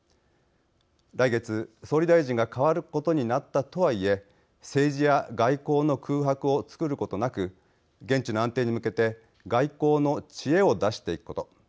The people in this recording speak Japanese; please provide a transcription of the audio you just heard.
来月、総理大臣が替わることになったとはいえ政治や外交の空白を作ることなく現地の安定に向けて外交の知恵を出していくこと。